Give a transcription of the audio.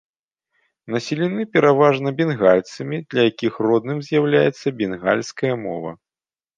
Населены пераважна бенгальцамі, для якіх родным з'яўляецца бенгальская мова.